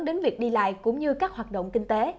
đến việc đi lại cũng như các hoạt động kinh tế